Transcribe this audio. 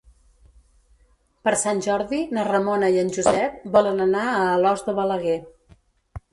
Per Sant Jordi na Ramona i en Josep volen anar a Alòs de Balaguer.